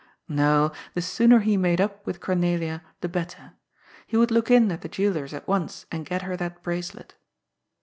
No, the sooner he made up with Cornelia the better. He would look in at the jeweller's at once and get her that bracelet.